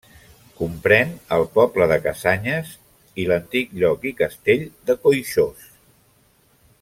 Comprèn el poble de Cassanyes i l'antic lloc i castell de Coixós.